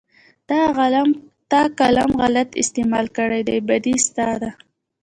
تا قلم غلط استعمال کړى دى بدي ستا ده.